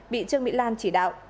bị trương mỹ lan chỉ đạo